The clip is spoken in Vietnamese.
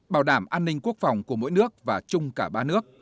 bảo đảm an ninh quốc phòng của mỗi nước và chung cả ba nước